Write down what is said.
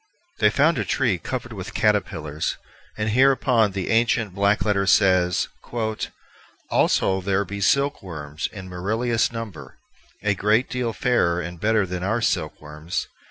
They found a tree covered with caterpillars, and hereupon the ancient black letter says: "Also there be Silke wormes in meruielous number, a great deale fairer and better then be our silk wormes.